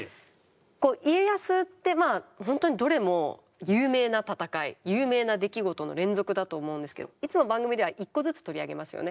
こう家康ってまあ本当にどれも有名な戦い有名な出来事の連続だと思うんですけどいつも番組では１個ずつ取り上げますよね。